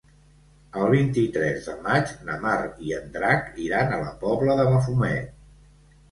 El vint-i-tres de maig na Mar i en Drac iran a la Pobla de Mafumet.